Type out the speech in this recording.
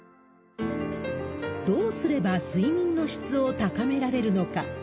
どうすれば睡眠の質を高められるのか。